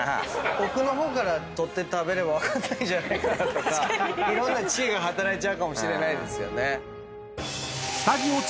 奥の方から取って食べれば分かんないんじゃないかなとかいろんな知恵が働いちゃうかもしれないですよね。